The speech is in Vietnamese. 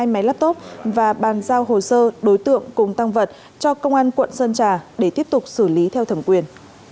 hai máy laptop và bàn giao hồ sơ đối tượng cùng tăng vật cho công an quận sơn trà để tiếp tục xử lý theo thẩm quyền